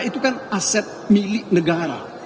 itu kan aset milik negara